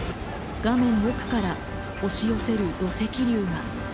画面奥から押し寄せる土石流が。